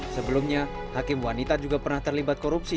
sebelumnya hakim wanita juga pernah terlibat korupsi